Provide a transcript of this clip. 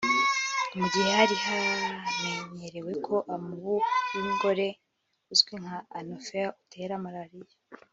Mu gihe hari hameneyerewe ko umubu w’ingore uzwi nka anophere utera Malariya